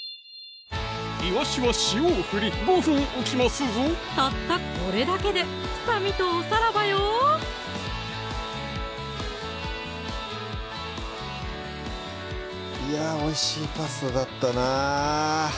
いわしは塩を振り５分おきますぞたったこれだけで臭みとおさらばよいやおいしいパスタだったなぁ